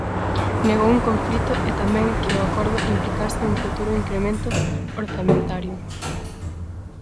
Negou un conflito e tamén que o acordo implicase un futuro incremento orzamentario.